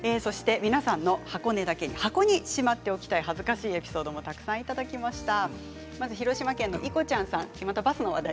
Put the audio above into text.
箱にしまっておきたい恥ずかしいエピソードもたくさんいただきました。